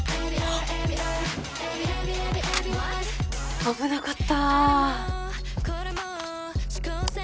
危なかった。